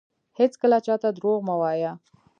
هیڅکله چاته درواغ مه وایه